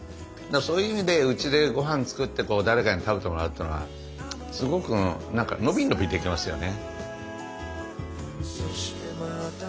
そういう意味でうちでごはん作って誰かに食べてもらうってのはすごく何かのびのびできますよね。